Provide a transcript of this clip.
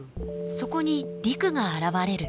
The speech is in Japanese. そこに陸が現れる。